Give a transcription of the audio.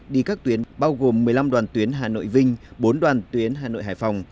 đi các tuyến bao gồm một mươi năm đoàn tuyến hà nội vinh bốn đoàn tuyến hà nội hải phòng